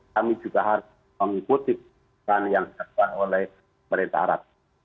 kami juga harus mengikuti yang diterapkan oleh pemerintah arab